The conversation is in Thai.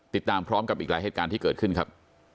ติดตามพร้อมกับอีกหลายเหตุการณ์ที่เกิดขึ้นครับ